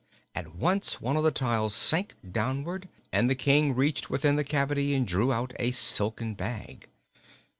At once one of the tiles sank downward and the King reached within the cavity and drew out a silken bag.